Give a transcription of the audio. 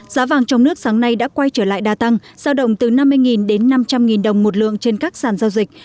giá vàng trong nước sáng nay đã quay trở lại đa tăng giao động từ năm mươi đến năm trăm linh đồng một lượng trên các sàn giao dịch